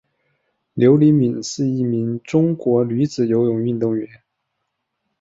刘黎敏是一名中国女子游泳运动员。